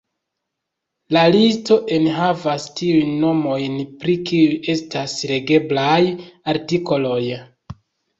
La listo enhavas tiujn nomojn, pri kiuj estas legeblaj artikoloj.